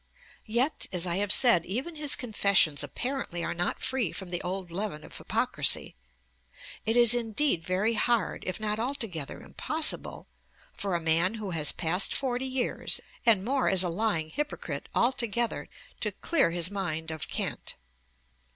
Yet, as I have said, even his confessions apparently are not free from the old leaven of hypocrisy. It is indeed very hard, if not altogether impossible, for a man who has passed forty years and more as a lying hypocrite altogether to 'clear his mind of cant.'